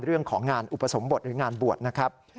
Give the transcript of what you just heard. เรื่องของงานอุปสมบทหรืองานบวชนะครับ